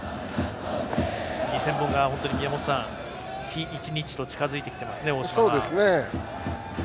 ２０００本が本当に日一日と近づいていますね、大島。